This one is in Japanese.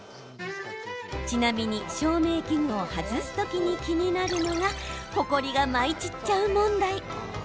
ちなみに照明器具を外す時に気になるのがほこりが舞い散っちゃう問題。